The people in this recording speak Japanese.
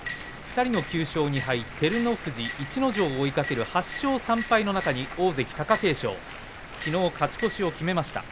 ２人の９勝２敗照ノ富士、逸ノ城を追いかける８勝３敗の中に大関貴景勝きのう、勝ち越しを決めました。